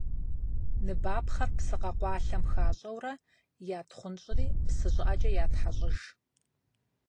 Ныбапхъэр псы къэкъуалъэм хащӏэурэ ятхъунщӏри псы щӏыӏэкӏэ ятхьэщӏыж.